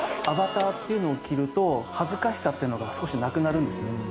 アバターっていうのを着ると恥ずかしさっていうのが少しなくなるんですね。